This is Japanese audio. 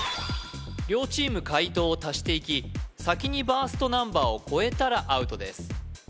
両チーム解答を足していき先にバーストナンバーを超えたらアウトです